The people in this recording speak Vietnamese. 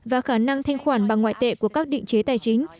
và khả năng thanh khoản bằng ngoại tệ của các định chế tài chính